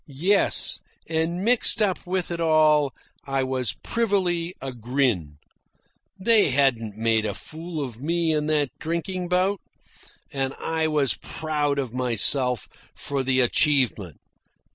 Yes, and mixed up with it all I was privily a grin. They hadn't made a fool of me in that drinking bout. And I was proud of myself for the achievement.